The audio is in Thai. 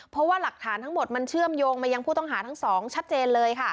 เพราะว่าหลักฐานทั้งหมดมันเชื่อมโยงมายังผู้ต้องหาทั้งสองชัดเจนเลยค่ะ